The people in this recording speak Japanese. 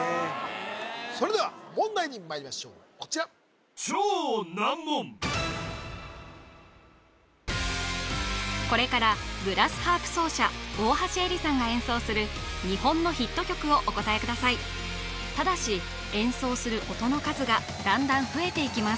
それでは問題にまいりましょうこちらこれからグラスハープ奏者大橋エリさんが演奏する日本のヒット曲をお答えくださいただし演奏する音の数がだんだん増えていきます